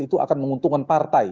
itu akan menguntungkan partai